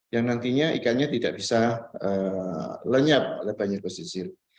yang nantinya ikannya tidak bisa lenyap oleh banyak pesisir